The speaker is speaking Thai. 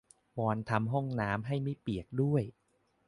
วอนทำห้องน้ำให้ไม่เปียกด้วย